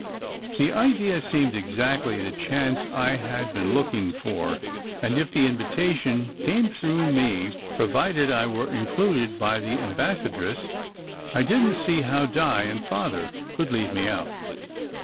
The idea seemed exactly the chance I had been looking for; and if the invitation came through me, provided I were included by the ambassa 28 SECRET HISTORY dress, I didn t see how Di and Father could leave ms> out.